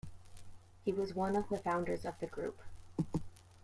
He was one of the founders of the group.